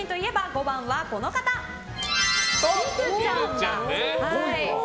５番は、しずちゃん。